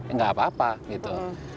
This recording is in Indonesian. nggak apa apa gitu